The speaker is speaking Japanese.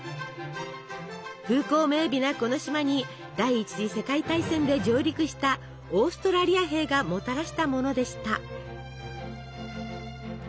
風光明美なこの島に第１次世界大戦で上陸したオーストラリア兵がもたらしたものでした。